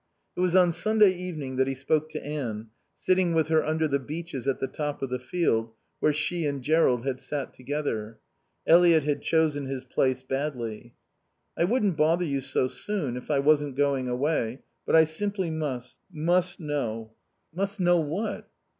It was on Sunday evening that he spoke to Anne, sitting with her under the beeches at the top of the field where she and Jerrold had sat together. Eliot had chosen his place badly. "I wouldn't bother you so soon if I wasn't going away, but I simply must must know " "Must know what?"